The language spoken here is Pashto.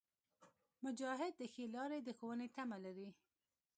مجاهد د ښې لارې د ښوونې تمه لري.